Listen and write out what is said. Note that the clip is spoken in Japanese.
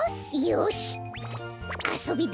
よし！